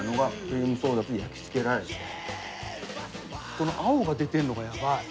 この青が出てんのがヤバい。